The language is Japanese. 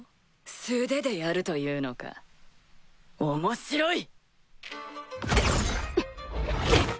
素手でやるというのか面白い！